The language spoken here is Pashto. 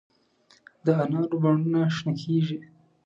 د انارو بڼونه شنه کیږي